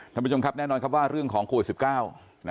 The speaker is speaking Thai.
ท่านผู้ชมครับแน่นอนครับว่าเรื่องของโควิด๑๙